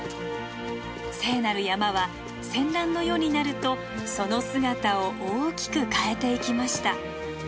聖なる山は戦乱の世になるとその姿を大きく変えていきました。